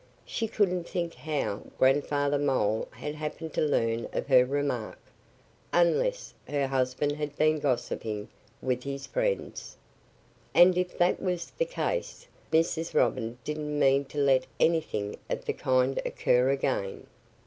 She couldn't think how Grandfather Mole had happened to learn of her remark, unless her husband had been gossiping with his friends. And if that was the case, Mrs. Robin didn't mean to let anything of the kind occur again.